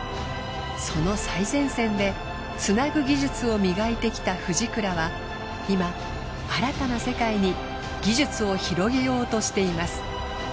その最前線でつなぐ技術を磨いてきたフジクラは今新たな世界に技術を広げようとしています。